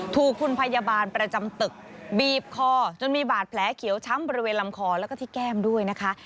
ถูกคุณพยาบาลประจำตึกบีบคอจนมีบาดแผลเขียวช้ำบริเวณลำคอแล้วก็ที่แก้มด้วยนะคะ